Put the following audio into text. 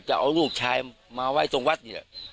จะเอาลูกชายมาไว้ตรงวัดนี่แหละ